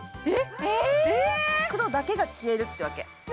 黒だけが消えるってわけ。